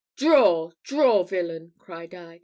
"Draw! draw, villain!" cried I.